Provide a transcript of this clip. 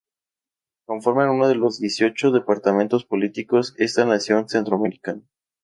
Conforman uno de los dieciocho departamentos políticos esta nación centroamericana.